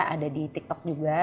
ada di tiktok juga